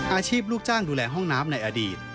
อาชีพลูกจ้างดูแลห้องน้ำในอดีต